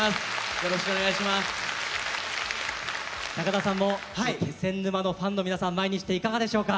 田さんも気仙沼のファンの皆さん前にしていかがでしょうか？